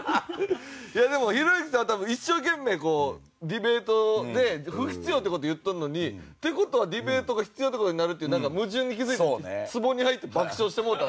でもひろゆきさんは多分一生懸命ディベートで不必要って事を言っとるのにって事はディベートが必要って事になるっていう矛盾に気付いてツボに入って爆笑してもうたんですよね。